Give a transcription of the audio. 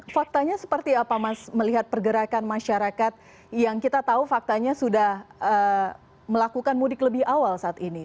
faktanya seperti apa mas melihat pergerakan masyarakat yang kita tahu faktanya sudah melakukan mudik lebih awal saat ini